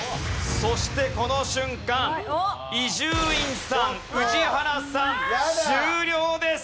そしてこの瞬間伊集院さん宇治原さん終了です！